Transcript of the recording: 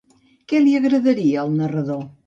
Què li agradaria al narrador?